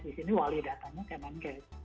di sini wali datanya kemenkes